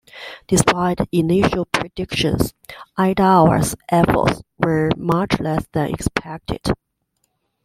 Despite initial predictions, Edouard's effects were much less than expected.